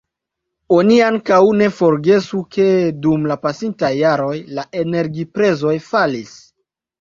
Oni ankaŭ ne forgesu ke dum la pasintaj jaroj la energiprezoj falis.